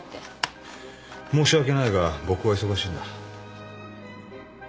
申し訳ないが僕は忙しいんだ。